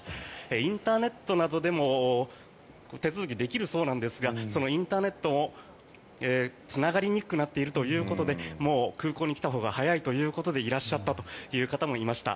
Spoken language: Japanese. インターネットなどでも手続きできるそうなんですがそのインターネットもつながりにくくなっているということで空港に来たほうが早いということでいらっしゃったという方もいました。